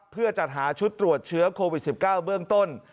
เพื่อจัดหาชุดตรวจเชื้อโควิด๑๙เบื้องต้น